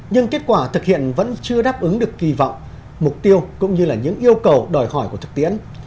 nhưng kết quả thực hiện vẫn chưa đáp ứng được kỳ vọng mục tiêu cũng như là những yêu cầu đòi hỏi của thực tiễn